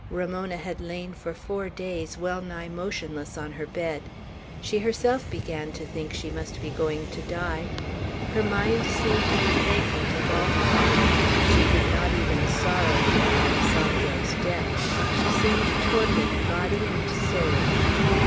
Ramona had lain for four days well nigh motionless on her bed. She herself began to think she must be going to die. Her mind seemed to be vacant of all thought. She did not even sorrow for Alessandro's death; she seemed torpid, body and soul.